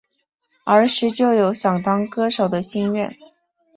儿时就有想当歌手的心愿。